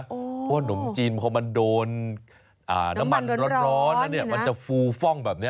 เพราะว่านมจีนพอมันโดนน้ำมันร้อนแล้วเนี่ยมันจะฟูฟ่องแบบนี้